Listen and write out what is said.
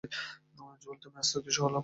জুয়েল, তুমি আসাতে খুশি হলাম।